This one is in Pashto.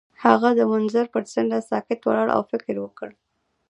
هغه د منظر پر څنډه ساکت ولاړ او فکر وکړ.